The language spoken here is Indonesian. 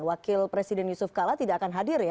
wakil presiden yusuf kalla tidak akan hadir